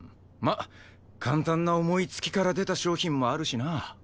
まあ簡単な思いつきから出た商品もあるしな。